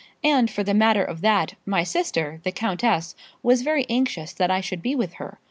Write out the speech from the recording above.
And, for the matter of that, my sister, the countess, was very anxious that I should be with her.